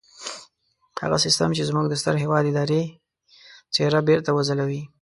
هغه سيستم چې زموږ د ستر هېواد اداري څېره بېرته وځلوي.